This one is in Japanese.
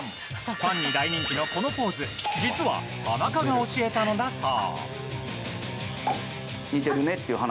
ファンに大人気のこのポーズ実は、田中が教えたのだそう。